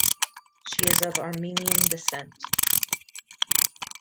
She is of Armenian descent.